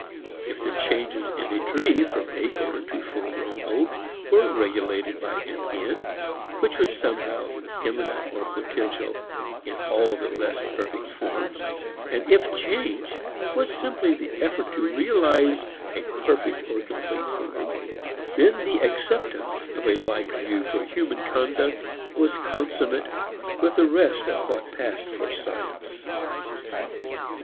If the changes in a tree from acorn to full grown oak were regulated by an end which was somehow immanent or potential in all the less perfect forms, and if change was simply the effort to realize a perfect or complete form, then the acceptance of a like view for human conduct was consonant with the rest of what passed for science.